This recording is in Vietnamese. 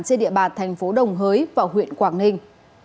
trên địa bạt tp đồng hới và huyện quảng ninh